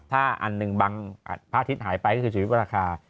ถ้าอันนึงบังพระอาทิตย์หายไปก็คือสุริยุปราคา